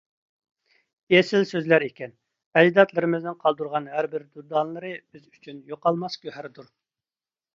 ئېسىل سۆزلەر ئىكەن، ئەجدادلىرىمىزنىڭ قالدۇرغان ھەر بىر دۇردانىلىرى بىز ئۈچۈن يوقالماس گۆھەردۇر.